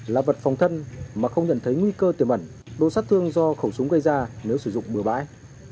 là vật phòng thân mà không nhận thấy nguy cơ tiềm ẩn đu sát thương do khẩu súng gây ra nếu sử dụng bừa bãi